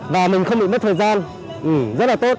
và mình không bị mất thời gian rất là tốt